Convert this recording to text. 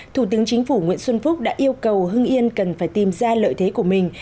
thủ tướng chính phủ nguyễn xuân phúc đã yêu cầu hưng yên cần phải tìm ra lợi thế của mình